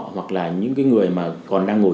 hoặc là những cái người mà còn đang ngồi